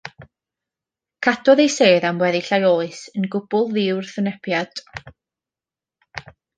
Cadwodd ei sedd am weddill ei oes yn gwbl ddiwrthwynebiad.